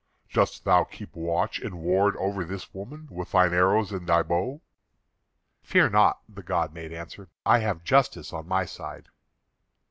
Dost thou keep watch and ward over this woman with thine arrows and thy bow?" "Fear not," the god made answer, "I have justice on my side."